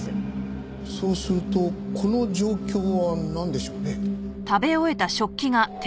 そうするとこの状況はなんでしょうね？